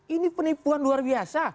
ini penipuan luar biasa